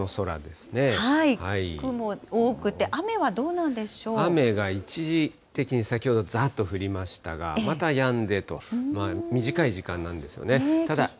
雲多くて、雨はどうなんでし雨が一時的に、先ほどざーっと降りましたが、またやんでと、短い時間なんですよね。